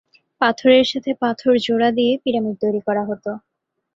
পাথরের সাথে পাথর জোড়া দিয়ে পিরামিড তৈরি করা হত।